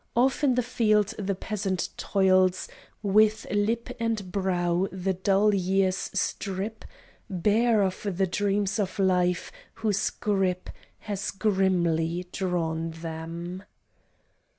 Off in the field the peasant toils With lip and brow the dull years strip Bare of the dreams of life, whose grip Has grimly drawn them.